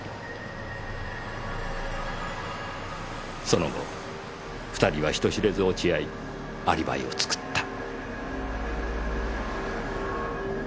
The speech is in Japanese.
その後２人は人知れず落ち合いアリバイを作った。